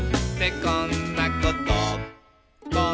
「こんなこと」